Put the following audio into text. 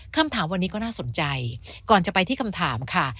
คำถามวันนี้ก็น่าสนใจก่อนจะไปที่คำถามค่ะ